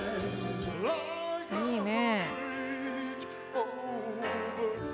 いいね。